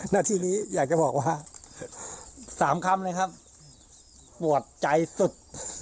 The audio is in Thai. นาทีนี้อยากจะบอกว่า๓คำเลยครับปวดใจสุด